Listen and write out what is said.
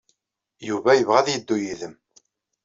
Yuba yebɣa ad yeddu yid-m.